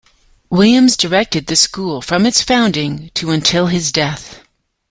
Williams directed the school from its founding to until his death.